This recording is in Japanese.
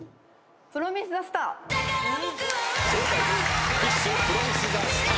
『プロミスザスター』